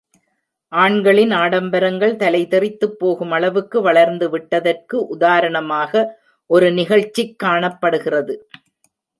ஆண்களின் ஆடம்பரங்கள் தலை தெறித்துப்போகும் அளவுக்கு வளர்ந்துவிட்டதற்கு உதாரணமாக ஒரு நிகழ்ச்சிக் காணப்படுகிறது.